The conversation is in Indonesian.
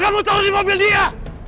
kamu tahu di mobil dia